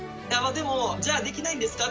でも、じゃあできないんですか？